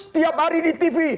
tiap hari di tv